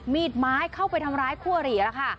มีดไม้เข้าไปทำร้ายคั่วหรี่แล้วค่ะ